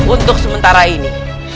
untuk sementara ini